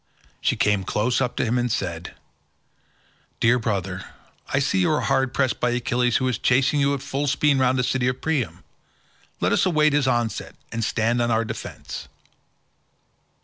She came close up to him and said, "Dear brother, I see you are hard pressed by Achilles who is chasing you at full speed round the city of Priam, let us await his onset and stand on our defence."